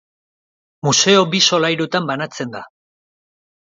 Museo bi solairutan banatzen da.